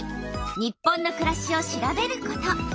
「日本のくらし」を調べること。